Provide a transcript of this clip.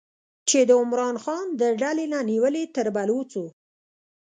چې د عمران خان د ډلې نه نیولې تر بلوڅو